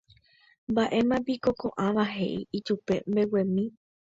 Mbaʼéma piko koʼãva heʼi ijupe mbeguemi.